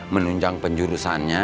menunjangkan saya ya pak regar ya